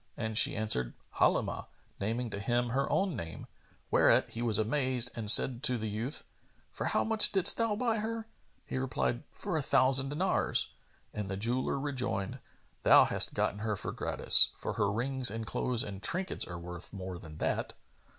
and she answered, "Halimah," naming to him her own name; whereat he was amazed and said to the youth, "For how much didst thou buy her?" He replied, "For a thousand dinars"; and the jeweller rejoined, "Thou hast gotten her gratis; for her rings and clothes and trinkets are worth more than that."